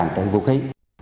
đánh giá bằng vũ khí